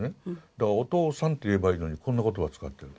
だからお父さんって言えばいいのにこんな言葉を使ってる。